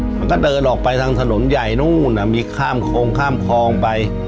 มันก็เดินออกไปทางถนนใหญ่นู่นมีข้ามโครงข้ามคลองไป